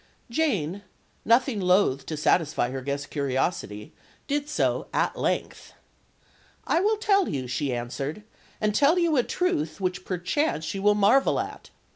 Jane, nothing loath to satisfy her guest's curiosity, did so at length. "I will tell you," she answered, "and tell you a truth, which perchance you will marvel at.